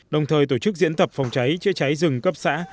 đồng thời tổ chức diễn tập phòng cháy chữa cháy rừng cấp xã